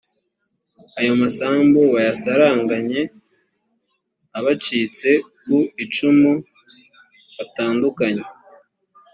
ayo masambu bayasaranganye abacitse ku icumu batandukanye